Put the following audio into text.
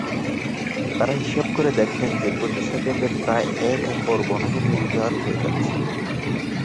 তারা হিসাব করে দেখেন যে প্রতি সেকেণ্ডে প্রায় এক একর বনভূমি উজার হয়ে যাচ্ছে।